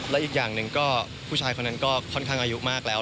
และอีกอย่างหนึ่งก็ผู้ชายคนนั้นก็ค่อนข้างอายุมากแล้ว